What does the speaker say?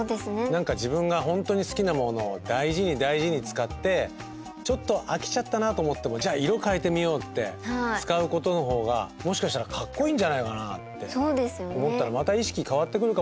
何か自分が本当に好きなものを大事に大事に使ってちょっと飽きちゃったなと思ってもじゃあ色をかえてみようって使うことのほうがもしかしたらかっこいいんじゃないかなって思ったらまた意識変わってくるかもしれないね。